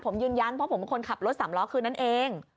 ผมยืนยันเพราะผมเป็นคนขับรถสามล้อคืนนั้นเอง